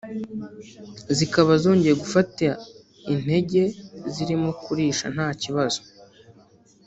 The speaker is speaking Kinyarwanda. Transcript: zikaba zongeye gufata intege zirimo kurisha nta kibazo